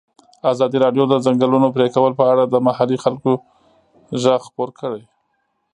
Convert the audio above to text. ازادي راډیو د د ځنګلونو پرېکول په اړه د محلي خلکو غږ خپور کړی.